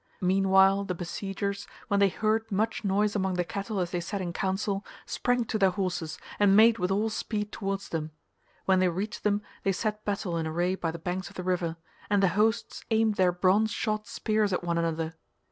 Meanwhile the besiegers, when they heard much noise among the cattle as they sat in council, sprang to their horses, and made with all speed towards them; when they reached them they set battle in array by the banks of the river, and the hosts aimed their bronze shod spears at one another.